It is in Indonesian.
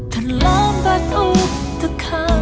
terima kasih udah datang